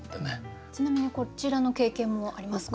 ちなみにこちらの経験もありますか？